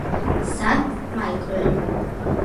Sankt Michael